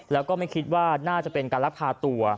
แล้วก็ไม่คิดว่าน่าจะเป็นการลักพาตัว